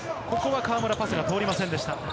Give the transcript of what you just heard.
河村、パスが通りませんでした。